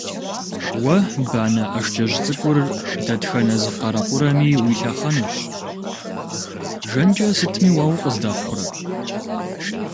Уэ банэ ӀэшкӀэжь цӀыкӀур дэтхэнэ зы къарэкъурэми уилъэхъэнущ, жэнкӀэ сытми уэ укъыздэхъурэ!